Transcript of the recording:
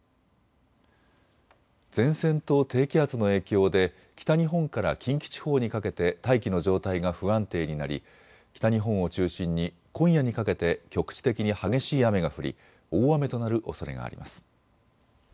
前線と低気圧の影響で北日本から近畿地方にかけて大気の状態が不安定になり北日本を中心に今夜にかけて局地的に激しい雨が降り大雨となるおそれがあります。